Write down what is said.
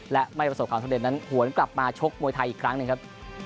และไม่ประสบความสำเร็จนั้นหวนกลับมาชกมวยไทยอีกครั้งหนึ่งครับ